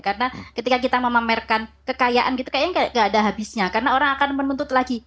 karena ketika kita memamerkan kekayaan gitu kayaknya gak ada habisnya karena orang akan menuntut lagi